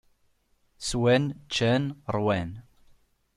Swan, ččan, ṛwan.